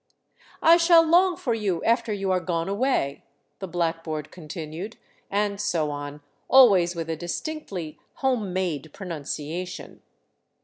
" I shall long for you after you are gone away "; the blackboard con tinued, and so on, always with a distinctly home made pronunciation.